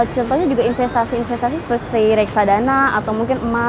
contohnya juga investasi investasi seperti reksadana atau mungkin emas